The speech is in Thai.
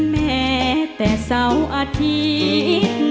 แม้แต่เสาร์อาทิตย์